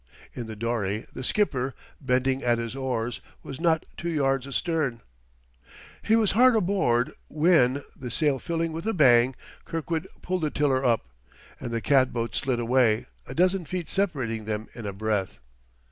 In the dory the skipper, bending at his oars, was not two yards astern. He was hard aboard when, the sail filling with a bang, Kirkwood pulled the tiller up; and the cat boat slid away, a dozen feet separating them in a breath.